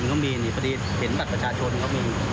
ก็บอกว่าเงินก็มีพอดีเห็นบัตรประชาชนก็มี